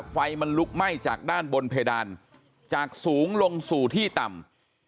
ไฟมันลุกไหม้จากด้านบนเพดานจากสูงลงสู่ที่ต่ำ